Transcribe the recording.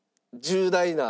「重大な」？